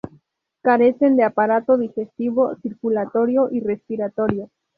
Carecen de aparato digestivo, circulatorio y respiratorio.